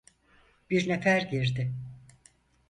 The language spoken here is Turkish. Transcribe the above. Bir nefer girdi.